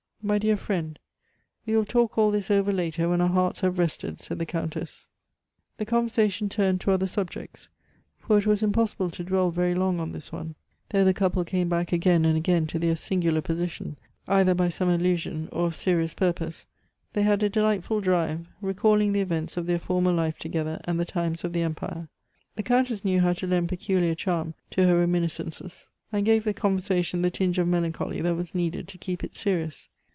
"My dear friend, we will talk all this over later when our hearts have rested," said the Countess. The conversation turned to other subjects, for it was impossible to dwell very long on this one. Though the couple came back again and again to their singular position, either by some allusion or of serious purpose, they had a delightful drive, recalling the events of their former life together and the times of the Empire. The Countess knew how to lend peculiar charm to her reminiscences, and gave the conversation the tinge of melancholy that was needed to keep it serious.